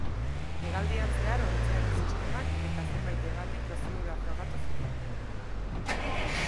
Hegaldian zehar ontziaren sistemak eta zenbait hegaldi prozedura frogatu ziren.